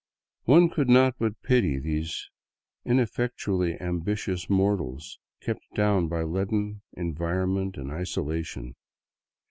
One could not but pity these ineffectually ambitious mortals, kept down by leaden environment and isolation.